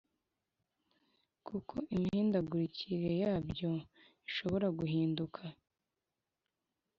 kuko imihindagurikire yabyo ishobora guhinduka